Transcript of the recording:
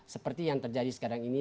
seperti yang terjadi sekarang ini